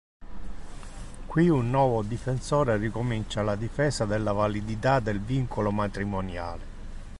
Qui un nuovo difensore ricomincia la difesa della validità del vincolo matrimoniale.